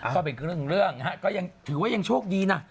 ก็เป็นเรื่องก็ถือว่ายังโชคดีนะ